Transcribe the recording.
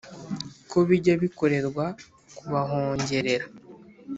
ko bijya bikorerwa kubahongerera